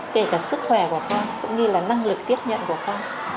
kể cả sức khỏe của con cũng như là năng lực tiếp nhận của con